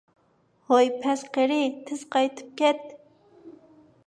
ھوي، پەس قېرى، تېز قايتىپ كەت!